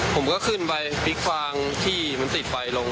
ผมก็ขึ้นไปพลิกฟางที่มันติดไฟลง